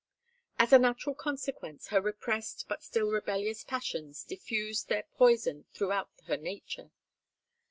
As a natural consequence her repressed but still rebellious passions diffused their poison throughout her nature.